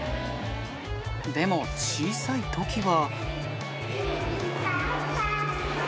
でも、小さいときは。